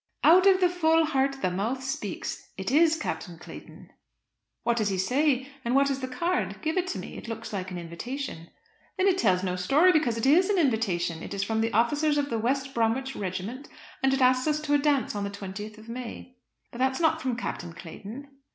"Out of the full heart the mouth speaks. It is Captain Clayton." "What does he say, and what is the card? Give it me. It looks like an invitation." "Then it tells no story, because it is an invitation. It is from the officers of the West Bromwich regiment; and it asks us to a dance on the 20th of May." "But that's not from Captain Clayton."